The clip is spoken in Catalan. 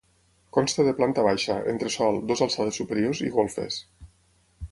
Consta de planta baixa, entresòl, dues alçades superiors i golfes.